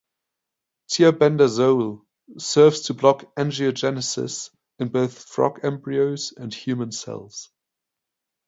Tiabendazole serves to block angiogenesis in both frog embryos and human cells.